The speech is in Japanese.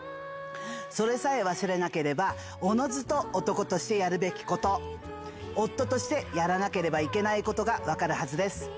それさえ忘れなければ、おのずと男としてやるべきこと、夫としてやらなければいけないことが分かるはずです。